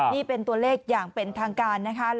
นี่เป็นตัวเลขอย่างเป็นทางการนะคะ